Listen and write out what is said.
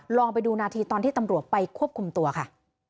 ลองไปดูนาทีตอนที่ตำรวจไปควบคุมตัวค่ะ